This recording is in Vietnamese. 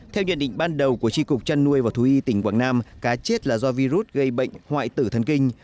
theo nhận định ban đầu của tri cục chăn nuôi và thú y tỉnh quảng nam cá chết là do virus gây bệnh hoại tử thần kinh